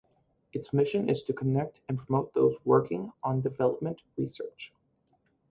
Its mission is to connect and promote those working on development research.